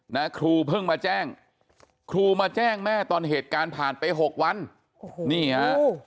นะครูเพิ่งมาแจ้งครูมาแจ้งแม่ตอนเหตุการณ์ผ่านไปหกวันโอ้โหนี่ฮะ